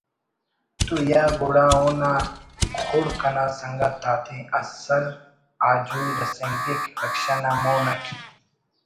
تو یا گڑا اونا خڑک انا سنگت آتے) اسل آجوئی رسینگک رکشہ نا مون اٹ